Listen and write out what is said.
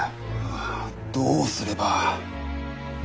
ああどうすれば。